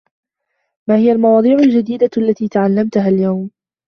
ما هي المواضيع الجديدة التي تعلمتها اليوم ؟